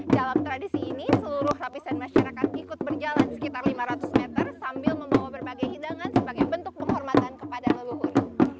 dalam tradisi ini seluruh lapisan masyarakat ikut berjalan sekitar lima ratus meter sambil membawa berbagai hidangan sebagai bentuk penghormatan kepada leluhur